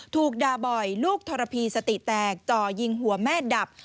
ถูกด่าบ่อยลูกทรพีสติแตกจ่อยิงหัวแม่ดับ